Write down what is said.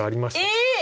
えっ！